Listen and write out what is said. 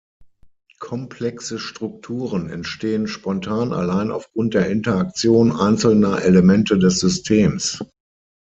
Komplexe Strukturen entstehen spontan allein aufgrund der Interaktion einzelner Elemente des Systems.